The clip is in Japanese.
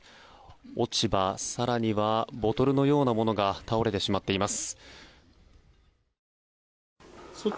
落ち葉、更にはボトルのようなものが倒れてしまっています。